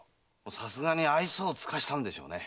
さすがに愛想を尽かしたんでしょ。